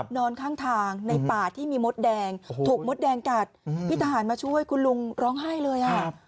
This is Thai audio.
นอนข้างทางในป่าที่มีมดแดงถูกมดแดงกัดพี่ทหารมาช่วยคุณลุงร้องไห้เลยอ่ะ